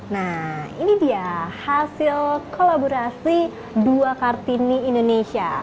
nah ini dia hasil kolaborasi dua kartini indonesia